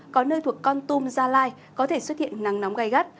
có nơi thuộc con tum gia lai có thể xuất hiện nắng nóng gai gắt